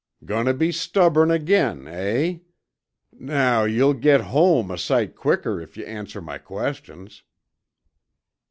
"Goin' tuh be stubborn again, eh? Now you'll git home a sight quicker if yuh answer my questions."